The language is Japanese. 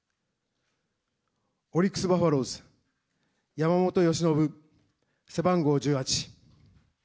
オリックスバファローズ、山本由伸、背番号１８。